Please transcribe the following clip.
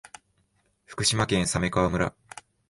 福島県鮫川村